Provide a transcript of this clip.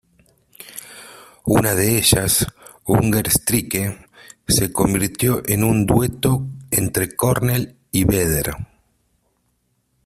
Una de ellas, "Hunger Strike", se convirtió en un dueto entre Cornell y Vedder.